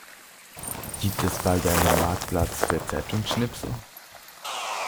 Gibt es bald einen Marktplatz für Zeitungsschnipsel?